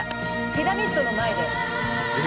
ピラミッドの前で。